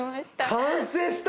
完成した。